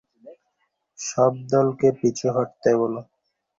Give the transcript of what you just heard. সব দলকে পিছু হটতে বলো।